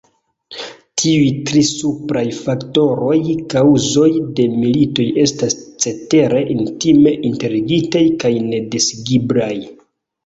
Tiuj tri supraj faktoroj, kaŭzoj de militoj estas cetere intime interligitaj kaj nedisigeblaj.